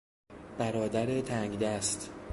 برادر تنگدست